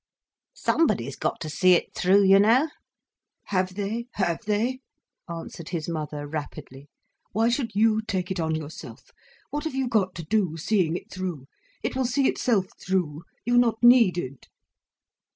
"Somebody's got to see it through, you know." "Have they? Have they?" answered his mother rapidly. "Why should you take it on yourself? What have you got to do, seeing it through. It will see itself through. You are not needed."